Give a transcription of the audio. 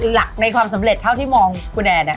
หลักในความสำเร็จเท่าที่มองคุณแอน